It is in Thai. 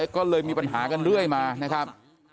ก็เลยมีปัญหากันเรื่อยมานะครับ